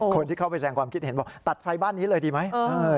คนที่เข้าไปแสงความคิดเห็นบอกตัดไฟบ้านนี้เลยดีไหม